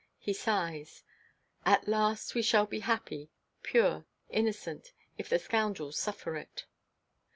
He sighs: "At last we shall be happy, pure, innocent, if the scoundrels suffer it."